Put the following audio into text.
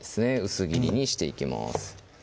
薄切りにしていきます